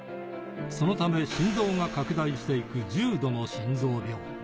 そのため心臓が拡大していく重度の心臓病。